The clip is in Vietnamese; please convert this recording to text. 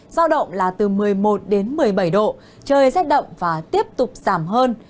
giao động là từ một mươi một đến một mươi bảy độ trời rét đậm và tiếp tục giảm hơn